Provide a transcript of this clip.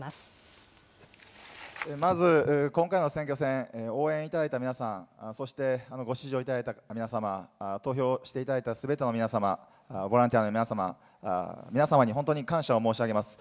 まず、今回の選挙戦、応援いただいた皆さん、そしてご支持をいただいた皆様、投票していただいたすべての皆様、ボランティアの皆様、皆様に本当に感謝を申し上げます。